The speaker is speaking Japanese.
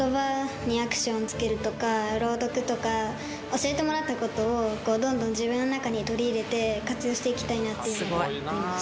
教えてもらったことをどんどん自分の中に取り入れて活用していきたいなっていうふうに思います。